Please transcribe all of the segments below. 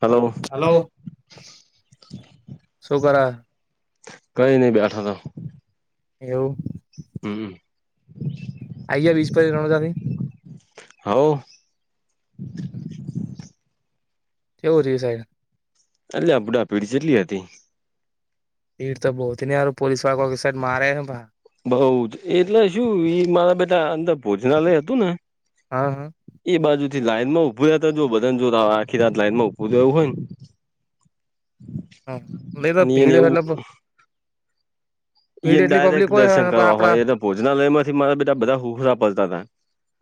Hello હ શું કર કઈ નહી બેઠા તો એવુ હમ્મ આઈએ વીસ પર ત્રણ હજાર ની. હા વો [inaudible] કેવું છે ડિઝાઇન. [unintelligible] આપધ આ પીઢી જેટલી હતી. એ તો બહુથી નેં પોલીસવાળો કોઈક સાડ મારે ને ભા. બઉ જ એટલે શું ઈ મારા બેટા અંદર ભોજનાલય હતું ને. હા હા. એ બાજુ થી લાઈનમાં ઊભું રહેતા જો બધન જો આખી રાત લાાઈનમાં ઊભું એવું હોય ને. હા દે તો અને એને [unintelligible] પો એ એટલી પબ્લિક ડાયરેક્ટ હોય દર્શન ને કરવા આપડા હોય એ તો ભોજનાલય માંથી મારા બા બધા હુખરા પલતા હતા.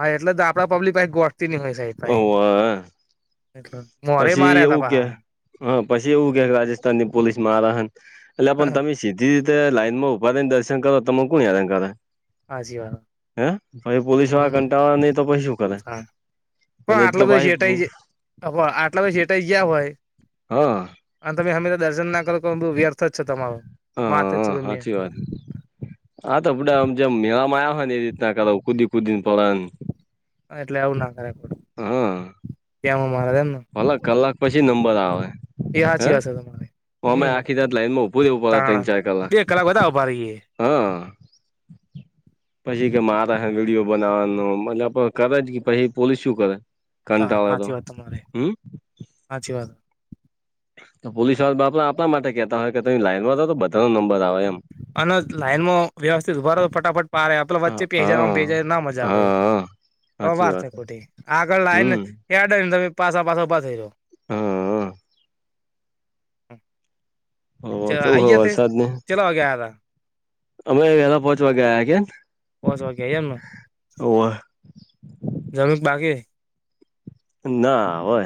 હા એટલે દા આપડા પબ્લિક ભ ગોઠતી નહિ હોય સાઈડ પાહી ઓવે એટ પછી એવું કે હ પછી એવું કે રાજસ્થાનની પોલીસ માં મારા હન એટલે પણ તમે સીધી રીતે લાઈન માં ઉભા રહી ને દર્શન કરો તમે કોઈ હેરાન કરે. હાચી વાત. હે પછી પોલીસ વાળા હમ કંટા વાળા નહી તો પછી શું કરે. હા અને પણ એક તો આટલા બધા પાછી સેટાઈ [unintelligible] તા હોય આટલા બી ચેતાઈ ગયા હોય હા અને તમે હા મેં દર્શન ના કરો તો [unintelligible] માથે જ હા છે હ મેં સાચી વાત. હા તો આપડે આમ જેમ મેળામાં આવ્યા હોય ને એ રીતના કર કુદી કુદી ને પને એટલે આવું ના કરાય. હા. ત્યાં માં મારે ને. અડધો કલાક પછી નંબર આવે. એ હે સાચી વાત છે તમારી અમે હમ આખી રાત લાઈન માં ઉભું રહેવું પડે તીન તાણ ચાર કલાક. બે બધા ઉભા રહીએ હા. પછી કે મારા હે વિડિયો બનાવવાનું મને પણ કરે જ કે પછી પોલીસ શું કરે. કંટાળો આવે તો હમ્મ. હાચી વાત. તો પોલીસ વાળા બાપડા આપણા માટે કેતા હોય કે તમે લાઈન માં રહો તો બધા નો નંબર આવે એમ. અને લાઈનમાં વ્યવસ્થિત ઉભા રહો ફટાફટ પારે પેલો હા વચ્ચે પેજ હા ભજાય ના મજા આવે હા હા સાચી વાર છે વાત ખોટી આગળ લાઈન હમ કેયાડ તમે પાછા પાછ પાસે થઈ જાઓ. હા હા. ઓ ઓછું વરસાદ ને વાગે આયા અમે વહેલા પહોચવા ગયા કે. પહોંચવા ગયા ને જમીન કે બાકી. ના હવે.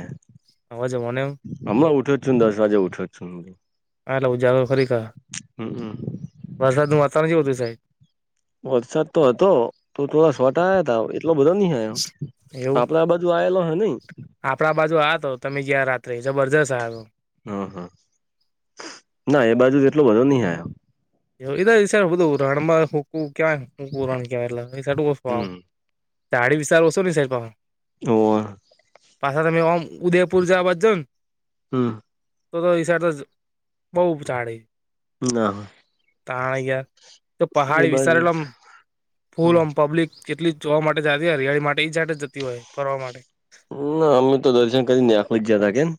આવાજ મનેવ અમાં ઉઠો જ છું દસ વાજે ઉઠું છું. હા એટ ઉજાગર ખરી કા હમ વરસાદનું વાતાવરણ જેવું હતું સાહેબ. વટસાપ તો હતો તો થોડા [unintelligible] હતા એટલો બધો ની અ તો એવું આપડા બાજુ આવેલો નહીં. આપડા બાજુ આવે તો તમે જયાં રાત્રે જબરજસ્ત આવે. હ હા ના એ બાજુ એટલો બધો નહી આવ્યો. [unintelligible] એ તો હિસાબે બધું રણમાં હૂકું કય હકું રણ કેવાય એટલે [unintelligible] હમ દાડી વિસઓ સોધી સાહેબો હો. ઓર પાછા તમે ઓમ ઉદયપુ જવાર જવું હમ્મ. તો તો હિસાબે તો બહુ ચાડે. ના. તાય તો એ પહાડી બાજુ વિસારેલમ ફૂલ ઓન પબ્લિક કેટલી જોવા માટે જતી હરિયાળી માટે એ જટી જતી હોય ફરવા માટે. ના અમે તો દર્શન કરીને નયા પોચયા તા કેમ.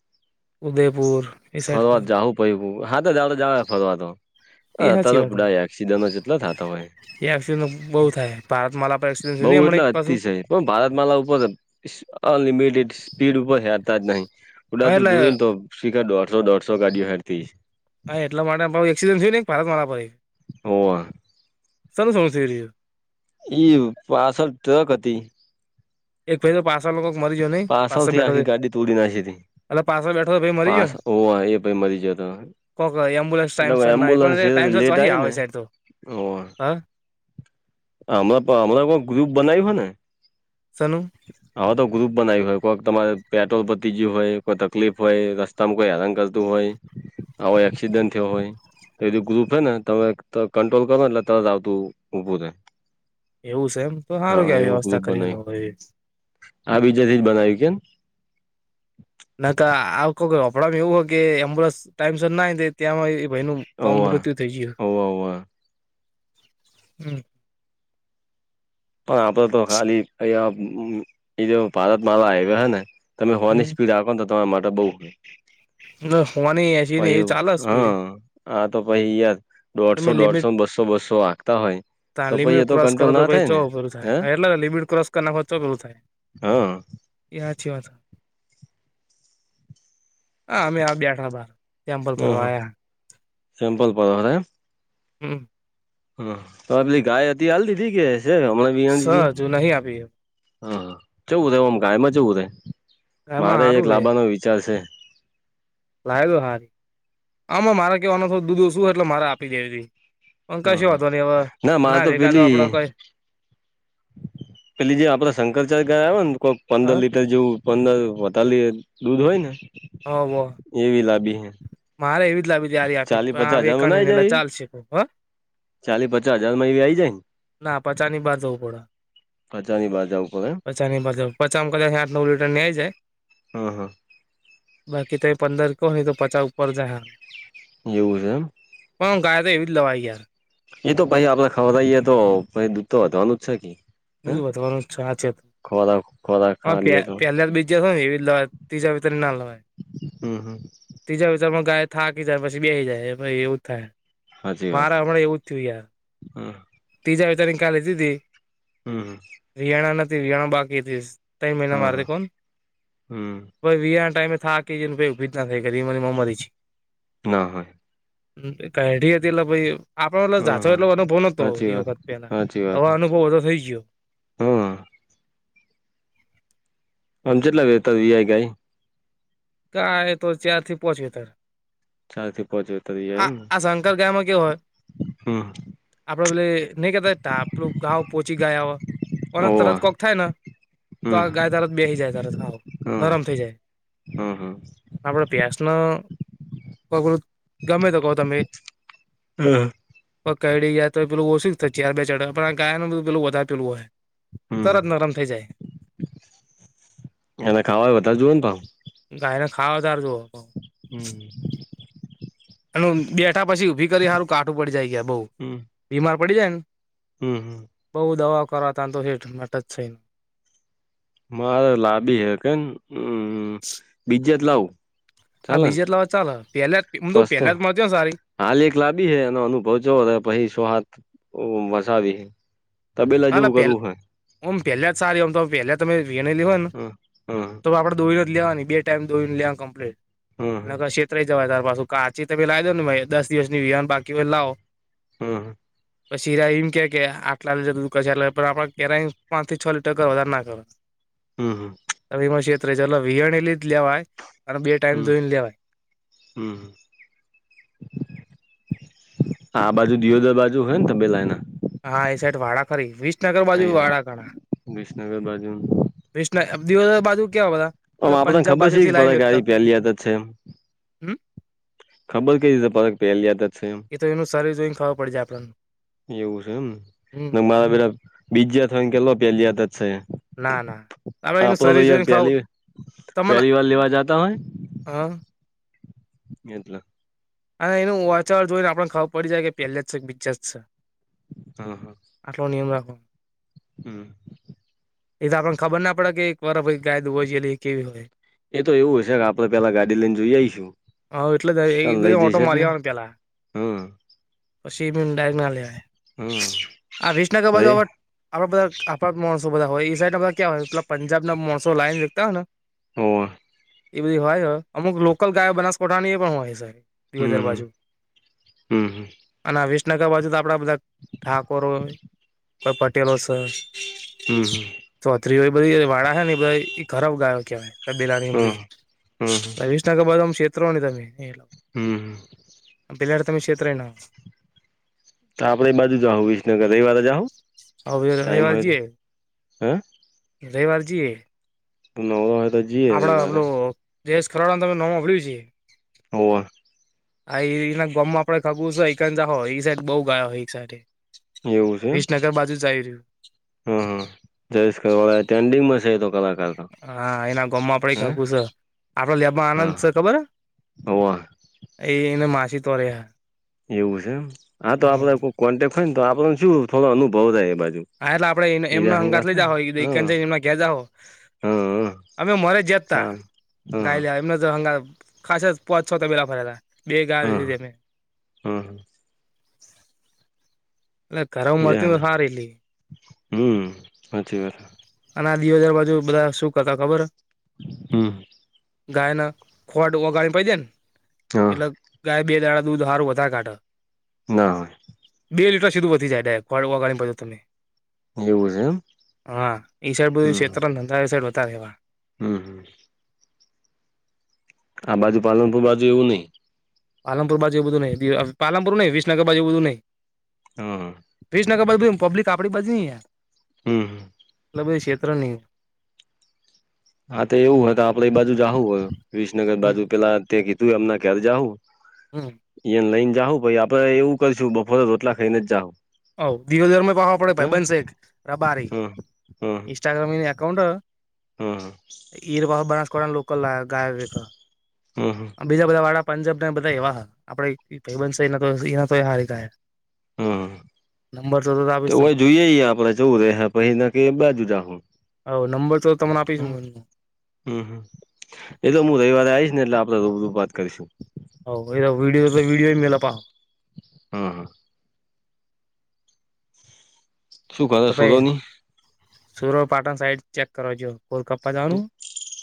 ઉદયપુર. એ સાઈડ ફરવા જાવું પહિહુ હાથે ચાલતે જાવાય ફરવા તો. હ એ અતાર હાચી તો વાત હે. બુડા એક્સિડેનો જેટલો થાતા હોય. એ એક્સિડન્ટ બહુ થાય ભારત મા આપણા એક્સિડન્ટ બઉ એટલે હમણાં બસ. પણ ભારત માલા ઉપર અનલિમિટેડ સ્પીડ ઉપર હેરતા જ નહી. હા ઉદતું એટલે જોયું ને તો શીખ દોઢસો દોઢસો ગાડીઓ હેરતી હશે હા એટલે માટે પડ એસડન્ટ થયું ભારત મા પાય. હોવા. ચાલુ સૌથી રહ્યો ઈ પાછળ ટ્રક હતી. એક પહેલે પાછળ પાચ સા લોકો મરી જયો નહી પાછળ પાછળથી બેઠો આખી છે. ગાડી તોડી નાખી હતી. એ પાછળ બેઠો ભાઈ મરી ગયો પાસ ને. હોવે એ ભાઈ મરી ગયો તો કોક એમ્બુલન્સ ટાઈમ એટલે સર ન આઇ એમ્બ્યુલન્સ પણ જે ટાઈમ સર તો લેટ થોડી આવી આવે ને છે અક તો. હોવે. હા હમણાં પણ હમણાં કોઈ ગ્રુપ બનાવ્યું હેને. શેનું હવે તો ગ્રુપ બનાવ્યું હોય કોઈક તમારે પેટ્રોલ પતી ગયું હોય કોઈ તકલીફ હોય રસ તમ કોઈ હેરાન કરતું હોય આવો એક્સિડન્ટ થયો હોય. એ ગ્રુપ હોય ને તમે ક કંટ્રોલ કરોને એટલે તરત આવતું ઊભું રે. એવું છે એમ તો હારું કેવય એવું ગ્રુપ વ્યવસ્થા કરીયે તો બનાવ્યું પછી. આ બીજા થી જ બનાવી કેમ. ના કા આવ કોઈ લફડા ને એવું હોય કે એમ્બ્યુલન્સ ટાઈમ સર નાે ત્યાં ભાઈ નું તોમ હોવા મૃત્યુ થઇ જીવ. હોવા હોવા પણ આપણે તો ખાલી અહીંયા એ જે ભારત માલા હાઈવે હે ને. તમે હો ની હમ સ્પીડ રાખો ને તો તમા માટે બહુ ન હોની એસી ની એ ચાલે સ્પીડ. હા તો ભઈ યાર. તમે દોઢસો લિમિટ દોઢસો બસો બસો હાકતા હોય તો ભઈ તો કંટ્રોલ ના થાય ને. હે હ એટલે લિમિટ ક્રોસ કરના લા ચો થાય. હા એ હાચી વાત આ અમે આ બેઠા બાર. ટેમ્પલ હા ભરવા હા આયા સિમ્પલપડે હે એમ. હમ. હ આપણી ગાય હતી એ આલ દીધી કે છે હમણાં સ વિયાણી તી હજુ નહીં આપી હ ચેવુ રે આમ ગાયમાં ચેવું રે એમાં મારે સારું એક રે લાંબાનો વિચાર છે. લાયો તો હાર આમાં મારે કેવાનો દૂધો ઓશું એટલે મારે આપી દેવી. અ હમ કશું હમ. વાઘો નહી હવે મારે ના તો એકાદો પેલી આપણે તો કોઈ પેલી જે આપણા શંકરચાર્ય ગાય આવે ને કોઈક પંદર હ લીટર જેવું પંદર વધાલી દૂધ હોય ને. હા વ. એવી લાભી હૈ. મારે એવી જ લાવી છે આપીને [inaudible] પણ આ વેકાણ ને એલા ચાલશે હ ચાલીસ પચાસ હજાર માં એવી આઈ જાય ને. ના પચાની બહાર જવું પચા ની બાઘા ઉપર એમ. પચા ની મતલબ પચામાં કદાચ આઠ નવ લીટર આઈ જાય. હા હા. બાકી તમે પંદર કો હોય તો પચા ઉપર જાય હા. એવું છે એમ. પણ ગાય તો એવી જ લવાઈ યાર. એ તો ભઇ આપડે ખવરઈએ તો ભઇ દૂધતો વધવાનું જ છે કી. હમમ વધવાનું છે સાચી વાત. ખોરાક ખોરાક હા ખાલીએ તો પેલા બીજી હવી એવી જ લવાય તીજે હવેટી ના લવાય. હમમ હમમ. ત્રીજા વિચારમાં ગાય થાકી જાય પછી બેહી જાય પછી એવું થાય. હાચી વાત મારે હે હમણાં એવું જ થયું યાર હા. ત્રીજા વિચારની કાલે દીધી હમ હમ. રિયાણા નથી રિયાણા બાકી હતી. તઇ મેલા હા મારતે હા કોન હમ પછી વીયા ના ટાઈમે થાકી ગઈ ને પછી ઊભી જ ના થઈ એમાં ને એમાં મરી ગઈ. ના હોય. હા કાઈઢી હતી એટલે ભઈ આપડા એ હમ જાતો હમ. એટલો ભો નો તો હાચી એ વાત વખત પેલા અવે અનુભવ બધો થઈ ગયો. તો હા. આમ જેટલા વેતા વીઆઈ ગાય ગાય એ તો ચાર થી પોંચ લીટર. ચારથી પોચ આ આ શંકર ગાયમાં કેવું હોય હમ આપડે પેલી નઈ કેતા તાપલુ ઘાવ પોચી ગયા હો તરત ઓવા કોક થાય ને તો હમ આ ગાય તરત બેહી જાય તરત હાવ નરમ થઈ જાય. હા હા. આપણે ભેશનો કગરુત ગમે તો કહો તમે હમમ. પકડી ગયા તો પેલું ઓછું જ ચાર બે ચઢ પણ આ ગાયનું બ પેલું વધારે પેલું હોય હમ તરત નરમ થઇ જાય. એને ખાવાય વધારે જોયે ને પાહું. ગાય ને ખાવા વધારે જોહ પાછું. હમમ. એનુ બેઠા પછી ઊભી કરવી હારું કાટું પડી જાય કે બઉ બીમાર પડી જાય ને હમમ હમમ. બઉ દવા કરવા ત તો હેઠ માટે જ છેઈને મારે લાવી હે કેમ બીજે જ લાવું આ ચાલે ને બીજે જ લાવે તો ચાલે પેહલા જ હું તું પસ તો પેલા જ મળતી ને સારી હાલ એક લાબી હે એનો અનુભવ જોવો પછી છ સાત વસાવી. તબેલા ના જેવું ન પેલા કરવું હે ઓમ પહેલા જ સારી આમ તો પેલા જ તમે વિયા ને લેવો ને હમ હમ તો આપણે દોઈને જ લેવા બે ટાઈમ દોઈને લેવા કમ્પ્લીટ. હમ નગર ક્ષેત્રઈ જવાય તો પાછું કાચી તમે લાઇ દો ને દસ દિવસની વિહાય ને બાકી હોય લાવો હમમ. પછી રાઈમ કેય કે આટલા ડઝ કજાર ને પણ આપડે પેલા ય પાંચ થી છ લીટર કરે વધારે ના કરે. હમમ હમમ. અને એમાં છેતત્રાઇ જવે વિહાણેલી જ લેવાય અને બે ટાઈમ ધોઈને લેવાય. હમમ. આ બાજુ દિયોદર બાજુ હોય ને તબેેલા ઈના. હા એ સાઈડ વાડા ખરી વિસનગર એ બાજુ હા વાડા ઘણા વિસનગર બાજુ વિસન દિવસ બાજુ કેવા બધા પંજાબ બાજુ થી લાવી વેચતા. અયા તો છે એમ. ખબર કઈ રીતે પરત પહેલ ત જ એમ એ તો એનું શર જોઈને ખર પડે આપણને એવું છે હમ એમ મારા પે બીજી યાતવા કેલો પેલી યાત જ છે. ના ના આપડે એનું આપાલા શરીર દ હજાર જોઈને ખબર પ્યાલી તમને પહેલી વાર લેવા જતા હોય હા એટલે અને એનું વાંચવર જોઈ ને આપણને ખબર પડી જાય કે પહેલા જ છે કે બીજા જ છે. હા હા અટલો નિ એમ રાખો હમ્મ એ તો આપણને ખબર ના પડે કે એક વારફ ગાય દુબો જેલી કેવી હોય. એ તો એવું હશે કે આપડે પેલા ગાડી લઈને જોઈ આવીઈશું હા એટલે એક તમે ઓટો મારી આવવા પેલા પછીી ડના લ હમ આ વિસનગર રે બાજુ આપણા બધા આપણા માણસો બધા હોય એ સાઈડ ના બધા ક્યાય પલા પંજાબ ના માણો લાઈન વેકતા હોયને. [unintelligible] એ બધી હોય અમુક લોકલ ગાય બનાસકોઠાની એ પણ હોય છેવે દર બાજુ હમ્મ અને આ વિસનગર બાજુ તો આપડા બધા ઠાકોરય. કોઈ પટેલો છે. હમ્મ ચોતરીઓ બધી વાળા છે ને ઘર ગાયો હમ હમ કેવાયેલા વિસનગરબાદમ ક્ષેત્રો ને તમે હમ્મ પિલાડ તમે ક્ષેત્ર ન તો આપડે એ બાજુ જા વિસનગર રવિ વારે જા હ ભ રવવાર જીએ હે રવવાર જીએ. તું ન હોય તજી આપડા પેલ દેશ ખરાડા તમે નમડ્યું છે. હો આ એના ગમ માં આપડે ખગુંર છે એક જાખો એ સાઈડ બઉુ ગાય હોય એક સાઈડ એવું છેમ. વિસનગર બાજુ જ આવી રહ્યું હા હા જશળ્રેન્ડિંગમાં છે તો કલાકાર તો હા એના ગમમાં આપડ હે ખાકું છે આપડો લેબમાં આનંદ હા છે ખબર હોવ એ એને માછી તોરે્યા એવું છે આ તો આપડે કોઈ કોન્ટેક્ટ હોય ને તો આપડને શું થોડો અનુભવ થાય એ બાજુ હા એટલે આપડે એમનો હીરા અંગાત હંગાથ લઈ જ હોય ને હો હા એમના ઘે જા હો હા હા અમે મરે જ ત ચાલ હા ગાય લ એમને તો હંગ ખાસ જ પોચ છો તબેલા ફરેલા બે ગા લી તને હમ હા એ ખરાબ માત સાર એલી હમ સાચી કથ અને આ દીવ હજાર બાજુ બધા શું કરતા ખબર હમ્મ ગાય ના ખોટ ઓગાણી પ દે ને હા એટલે ગાય બે દાડા દૂધ સારું વધારે કાઢા ના બે લીટર સુીધું વધી જાય ડાયગાડી પડે તમને એવું છે એમ એ સાઈડ બધી હમ્મ ક્ષત્ર ધંધા એ સાઈડ હો હતા ર રહેવા હમ્મ આ બાજુ પાલનપુ બાજુ એવું નહી. પાલનપુર બાજુ એ બધું નઈ પાલનપુર નઈ વિસનગર બાજુ એ બું નઈ. [unintelligible] વિજનગર બધી પબ્લિક આપડી બાજુ નહી યાર. હમ્મ. મતલબ એ ક્ષેત્ર ની. હા તો એવું હો આપડે એ બાજુ જહુ વિસનગર હમ બાજુ પેલા તે કીધું એમના કયારે જાવું. હમ એન લઈને જાઉ જાહુ પહિ આપડે એવું કરીશું બફોરે રોટલા ખાઈને જ જાવ. ઓ ધીરો ધર પાવા પડે ભાઈ બનસેક રબારી હ ઇન્સ્ટાગ્રામની એકાઉન્ટ હે. હમ્મ. ઈરવા બનાસકોળા ના લોકલ ગાય એક હમ્મ હમ્મ. બીજા બધા વાળા પંજાબ ને બધા એવા હો આપડે ભાઈબંધ એના તો હારી થાહે. હમ્મ, તો આપીશ હોય તમને જોઈએ આપડે જેવું રે પહ ના કે બાજુ રાખો. હવ નંબર તો તમને આપીશ હું એ. હમ્મ હ એ તો હું રવિવારે આવીઈશ ને એટલે આપડે રૂબરૂ વાત કરીશું. હવ એ વિડીયો તો વિડીયો મેયલા તા. હા હા. શું તો કરે ભાઈ સુરોની સુર પાટણ સાઈડ ચેક કરજો કોલ કપ્પા જવાનું?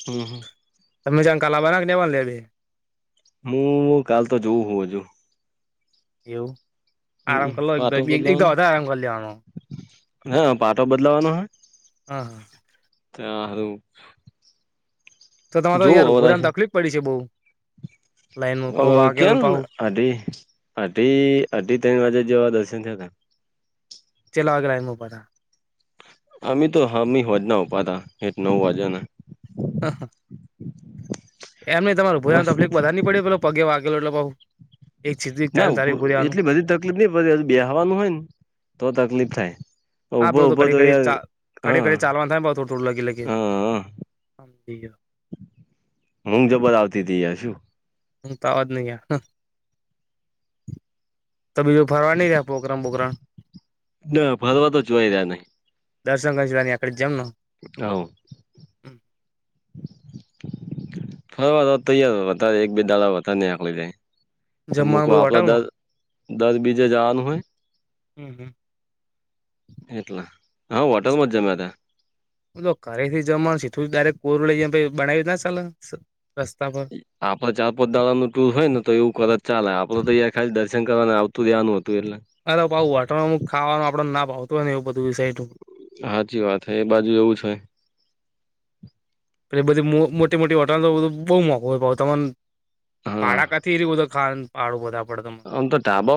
હમ્મ હમ્મ. તમે જેમ કાલા બનાવી લેમ લેવી. હું કાલ તો જોઉ હું હજું. એવું આરામ હમ કરી લો પાટો [inaudible] બદલાવાનો વધારે આરામ કરી લેવાનો. હા પાટો બદલાવાનો હે? હા. ત્યાં એવું. તો તમારે યાર હવે રાશિ ઉભુંરાન તકલીફ પડી છે બઉ, લાઈન પઉ અ કેમ વાકેેલું પઉ. અઢી, અઢી અઢી ત્રણ વાગે જેવા દર્શન થયા હતા. કેટલા વગ લાઇન મ ઉભા હતા? અમ તો હામી હોજના ઊભા તા એક નવ વાજગ ના. એમ નઈ તમાર ઉભો રેવા મ બસ તકલીફ બધાની પડે પેલો પગે વાગેલો એટલે બહું. ના એટલી બધી તકલીફ નહી પડે હજ બે હવાનું હોય ને તો તકલીફ થાય. હા આપડું ઉભો તો ઉભો ઘડી ઘડી યાર ચા ઘડી ઘડી હા ચાલવાનું થાય ને બવ થો થૂું લગી લગી. હા સમજી ગયો. ઉગ જબર આવતી તી યાર શું. ઉગ તો આવાજ નઈ ગયા, તો બીજું ફરવા નઈ ગયા પ્રોગ્રમ પ્રોગ્રણ? ના ભરવા તો જોઈ રહ્યા નહી. દર્શન કરીચીની અકડી જમનો. નવું. ફ તૈયાર હતા એક બે દાડા હતા ને આકલી ને. જમવાનું મુકવા બધું આપડા દર હોટલમાં દર બીજે જવાનું હોય. હમ્મ હમ્મ. એટલા હા હોટલમાં જ જમ્યા તા. ઘરેથી જમાનું સીધું દરેક કોરડે બનાવીયું ચાલ રસ્તા પર. આપડે ચાર પોત દાળ નું ટુર હોય ને તો એવું ખર ચાલે આપડે તો અંયા ખાલી દર્શન કરવાને આવતું રહ્યાનું હતું એટલે. અરે પહુ હોટણમાં ખાવાનું આપડો ના ભવતો હોયને એવું બધું વિશે જો સાચી વાત હે એ બાજુ એવું છે. એટલે બધી મોટી મોટી હોટાલ તો બહુ મોંઘું હોયમ ને. હા પાડા કથી એયું બધું ખ પાાડું બધા પડે તમ. આમતો ધાબો